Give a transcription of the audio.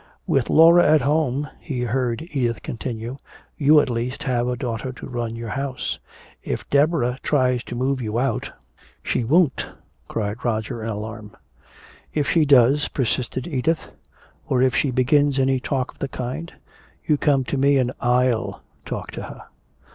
"With Laura at home," he heard Edith continue, "you at least had a daughter to run your house. If Deborah tries to move you out " "She won't!" cried Roger in alarm. "If she does," persisted Edith, "or if she begins any talk of the kind you come to me and I'll talk to her!"